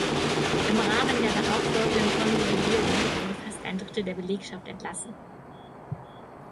Im Rahmen der darauf folgenden Konsolidierung wurde fast ein Drittel der Belegschaft entlassen.